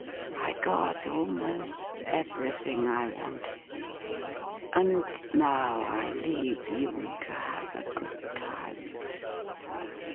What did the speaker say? I got almost every thing I wanted, and now I leave you to have a good time.